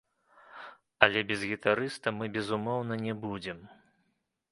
Але без гітарыста мы безумоўна не будзем.